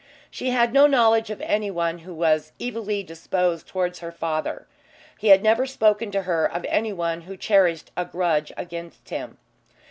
She had no knowledge of anyone who was evilly disposed towards her father. He had never spoken to her of anyone who cherished a grudge against him.